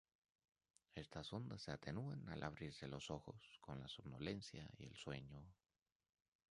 Estas ondas se atenúan al abrirse los ojos, con la somnolencia y el sueño.